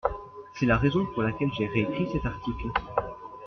C’est la raison pour laquelle j’ai réécrit cet article.